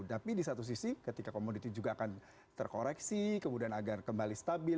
tapi di satu sisi ketika komoditi juga akan terkoreksi kemudian agar kembali stabil